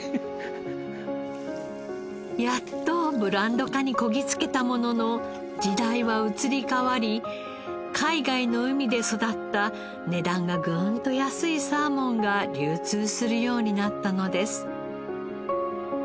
やっとブランド化にこぎつけたものの時代は移り変わり海外の海で育った値段がぐんと安いサーモンが流通するようになったのです。